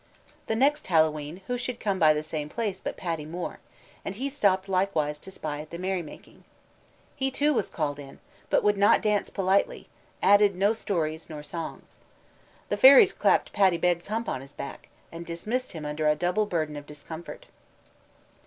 The next Hallowe'en who should come by the same place but Paddy More, and he stopped likewise to spy at the merrymaking. He too was called in, but would not dance politely, added no stories nor songs. The fairies clapped Paddy Beg's hump on his back, and dismissed him under a double burden of discomfort.